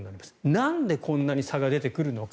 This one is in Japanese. なんでこんなに差が出てくるのか